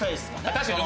確かに。